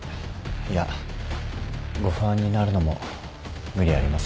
いやご不安になるのも無理ありませんよね。